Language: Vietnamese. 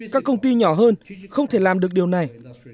các công ty nhỏ hơn không thể làm được điều này